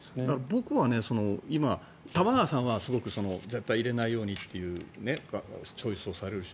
僕は今、玉川さんはすごく絶対入れないようにというチョイスをされるし。